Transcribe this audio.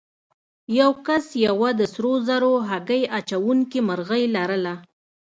یو کس یوه د سرو زرو هګۍ اچوونکې مرغۍ لرله.